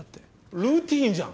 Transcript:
ルーティーンじゃん。